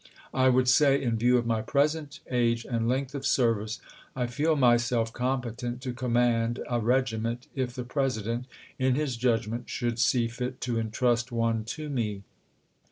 I would say, in view of my present age and length of service, I feel myself competent to com mand a regiment if the President, in his judgment, should see fit to intrust one to me.